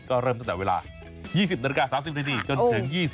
ก็เริ่มตั้งแต่เวลา๒๐นจนถึง๒๔นในช่วงดึกนั่นเอง